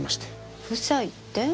夫妻って？